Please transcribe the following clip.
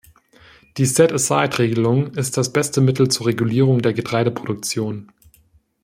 Die set aside -Regelung ist das beste Mittel zur Regulierung der Getreideproduktion.